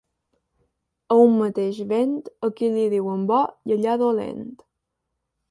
A un mateix vent, aquí li diuen bo i allà dolent.